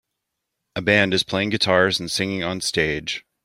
A band is playing guitars and singing on stage.